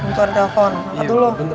bungkari telepon aduh lo